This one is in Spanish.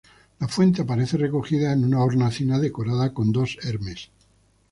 La fuente aparece recogida en una hornacina decorada con dos Hermes.